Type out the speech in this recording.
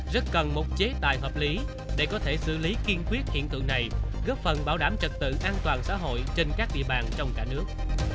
rất cần một chế tài hợp lý để có thể xử lý kiên quyết hiện tượng này góp phần bảo đảm trật tự an toàn xã hội trên các địa bàn trong cả nước